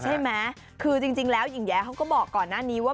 ใช่ไหมคือจริงแล้วหญิงแย้เขาก็บอกก่อนหน้านี้ว่า